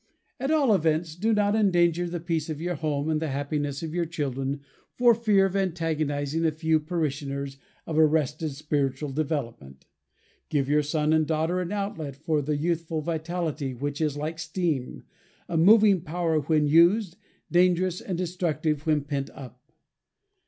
At all events, do not endanger the peace of your home and the happiness of your children, for fear of antagonizing a few parishioners of arrested spiritual development. Give your son and daughter an outlet for the youthful vitality which is like steam: a moving power when used, dangerous and destructive when pent up.